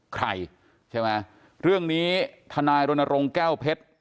ใครใช่ไหมเรื่องนี้ทนายรณรงค์แก้วเพชร